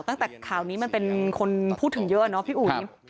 ตั้งแต่ข่าวนี้มันเป็นคนพูดถึงเยอะเนาะพี่อุ๋ย